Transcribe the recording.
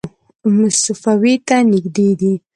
صفوي ته نږدې دی.